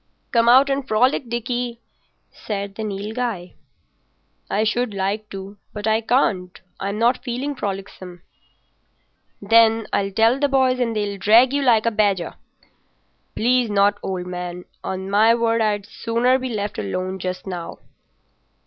"Come out and frolic, Dickie," said the Nilghai. "I should like to, but I can't. I'm not feeling frolicsome." "Then, I'll tell the boys and they'll drag you like a badger." "Please not, old man. On my word, I'd sooner be left alone just now."